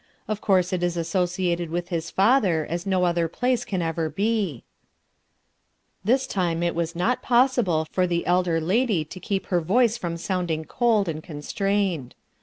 Of course it is associated with his father as no other place can ever be/' Tills time it was not possible for the elder lady to keep her voice from sounding cold and constrained.